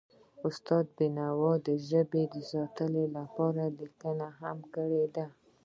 استاد بینوا د ژبې د ساتنې لپاره لیکنې کړی دي.